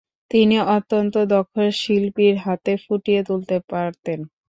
তিনি অত্যন্ত দক্ষ শিল্পীর হাতে ফুটিয়ে তুলতে পারতেন।